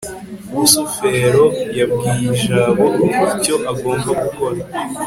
rusufero yabwiye jabo icyo agomba gukora